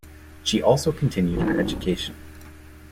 She also continued her education.